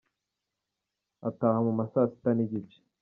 Ataha mu ma saa sita n’igice.